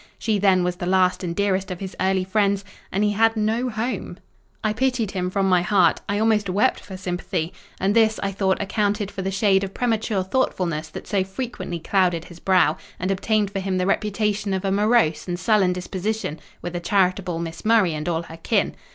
She then was the last and dearest of his early friends; and he had no home. I pitied him from my heart: I almost wept for sympathy. And this, I thought, accounted for the shade of premature thoughtfulness that so frequently clouded his brow, and obtained for him the reputation of a morose and sullen disposition with the charitable Miss Murray and all her kin.